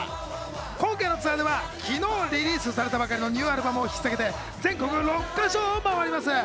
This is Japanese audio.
今回のツアーでは昨日リリースされたばかりのニューアルバムを引っさげて全国を６か所回ります。